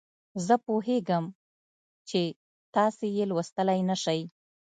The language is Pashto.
زه پوهیږم چې تاسې یې لوستلای نه شئ.